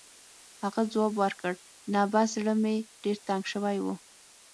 هغه ځواب ورکړ: «نه، بس زړه مې ډېر تنګ شوی و.